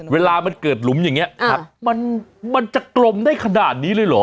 เวลามันเกิดหลุมอย่างนี้มันจะกลมได้ขนาดนี้เลยเหรอ